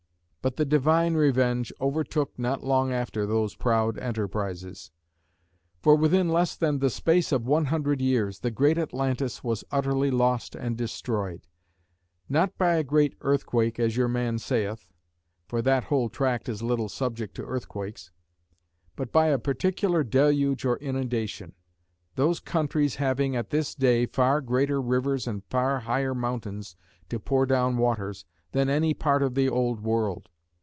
"But the divine revenge overtook not long after those proud enterprises. For within less than the space of one hundred years, the great Atlantis was utterly lost and destroyed: not by a great earthquake, as your man saith; (for that whole tract is little subject to earthquakes;) but by a particular' deluge or inundation; those countries having, at this day, far greater rivers and far higher mountains to pour down waters, than any part of the old world.